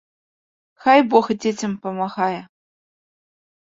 Хай бог дзецям памагае!